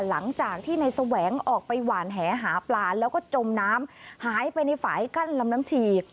หลังจากที่ในแสวงออกไปหวานแหหาปลาแล้วก็จมน้ำหายไปในฝ่ายกั้นลำน้ำชี